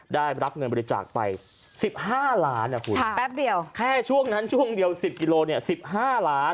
ได้รับเงินบริจาคไป๑๕ล้านบาทแค่ช่วงนั้นช่วงเดียว๑๐กิโล๑๕ล้านบาท